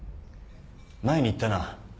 前に言ったな。